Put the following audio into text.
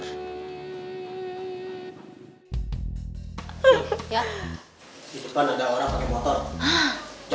gak ada temennya